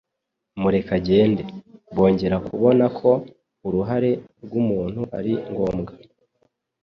mureke agende." Bongera kubona ko uruhare rw'umuntu ari ngombwa.